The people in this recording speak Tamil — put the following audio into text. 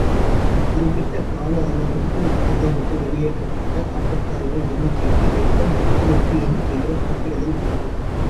குறிப்பிட்ட கால அளவிற்குள் ஆட்டத்தைவிட்டு வெளியேற்றப்பட்ட ஆட்டக்காரர்களின் எண்ணிக்கைக்கு ஏற்ப மொத்த வெற்றி எண்களைக் கணக்கிடுதல் மூன்று.